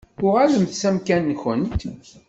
Uɣalemt s amkan-nkent.